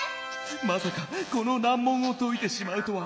「まさかこのなんもんをといてしまうとは」。